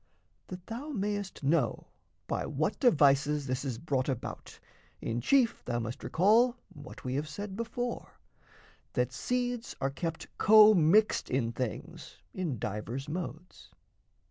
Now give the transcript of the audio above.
That thou mayst know by what devices this Is brought about, in chief thou must recall What we have said before, that seeds are kept Commixed in things in divers modes.